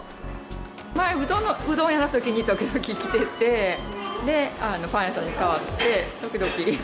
前、うどん屋さんだったときに時々来てて、で、パン屋さんに変わって、時々。